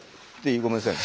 ごめんなさいね。